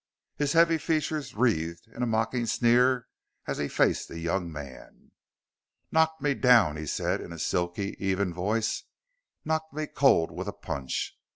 His heavy features wreathed into a mocking sneer as he faced the young man. "Knocked me down!" he said in a silky, even voice. "Knocked me cold with a punch.